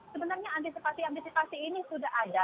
sebenarnya antisipasi antisipasi ini sudah ada